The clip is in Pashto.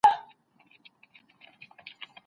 څه موده پس د قاضي معاش دوه چند سو